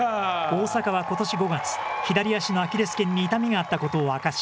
大坂はことし５月左足のアキレスけんに痛みがあったことを明かし